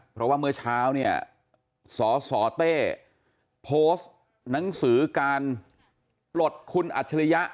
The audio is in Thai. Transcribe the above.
เพราะว่าเมื่อเช้าเนี่ยสสเต้โพสต์หนังสือการปลดคุณอัจฉริยะ